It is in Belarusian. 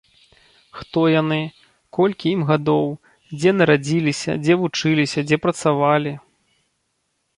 Хто яны, колькі ім гадоў, дзе нарадзіліся, дзе вучыліся, дзе працавалі.